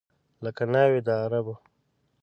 لکه ناوې د عربو